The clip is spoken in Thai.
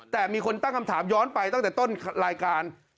แต่มีคนตั้งคำถามย้อนไปตั้งแต่ต้นรายการ